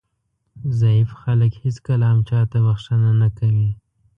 ضعیف خلک هېڅکله هم چاته بښنه نه کوي.